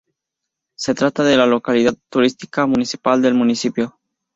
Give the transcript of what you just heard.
Se trata de la localidad turística principal del municipio.